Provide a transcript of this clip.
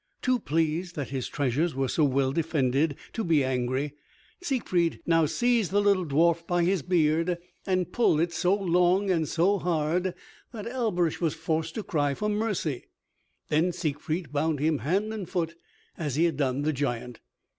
Too pleased that his treasures were so well defended to be angry, Siegfried now seized the little dwarf by his beard, and pulled it so long and so hard that Alberich was forced to cry for mercy. Then Siegfried bound him hand and foot as he had done the giant.